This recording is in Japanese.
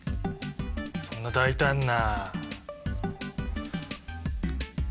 そんな大胆な。